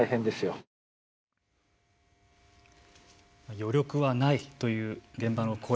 余力はないという現場の声。